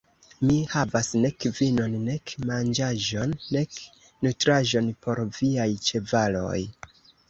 Mi havas nek vinon, nek manĝaĵon, nek nutraĵon por viaj ĉevaloj.